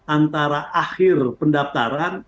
antara akhir pendaptaran